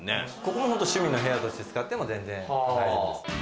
ここも趣味の部屋として使っても全然大丈夫です。